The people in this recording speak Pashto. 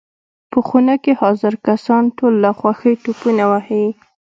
په خونه کې حاضر کسان ټول له خوښۍ ټوپونه وهي.